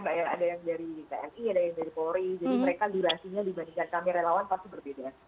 sebenarnya di sini beda beda kan ada yang dari tni ada yang dari polri jadi mereka durasinya dibandingkan kami relawan pasti berbeda